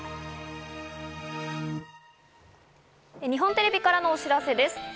日本テレビからのお知らせです。